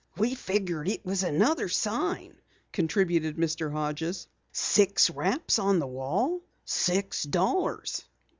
"We figured it was another sign," contributed Mr. Hodges. "Six raps on the wall six dollars."